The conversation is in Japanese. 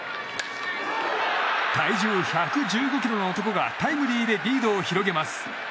体重１１５ｋｇの男がタイムリーでリードを広げます。